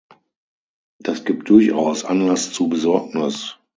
Das gibt durchaus Anlass zu Besorgnis.